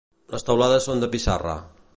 Les teulades són de pissarra.